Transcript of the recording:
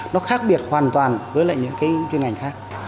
nó khác biệt hoàn toàn với lại những cái chuyên ngành khác